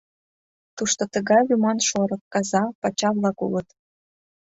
Тушто тыгай лӱман шорык, каза, пача-влак улыт.